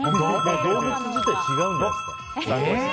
動物自体が違うんじゃないですか。